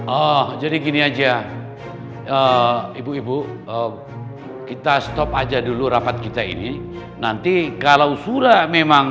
oh jadi gini aja ibu ibu kita stop aja dulu rapat kita ini nanti kalau sudah memang